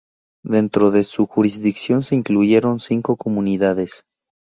Dentro de su jurisdicción se incluyeron cinco comunidades.